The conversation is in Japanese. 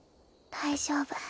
大丈夫。